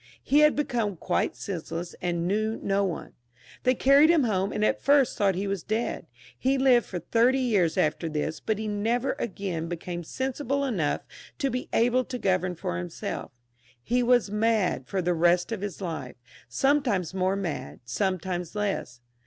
He had become quite senseless, and knew no one. They carried him home, and at first thought that he was dead ; he lived for thirty years after this, but he never again became sensible enough to be able to govern for himsel£ He was mad for the rest of his life, sometimes more mad, sometimes less.